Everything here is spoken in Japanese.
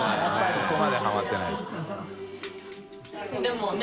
そこまでハマってないですね。